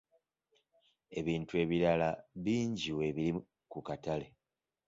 Ebintu ebirala bingi weebiri ku katale